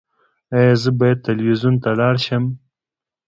ایا زه باید تلویزیون ته لاړ شم؟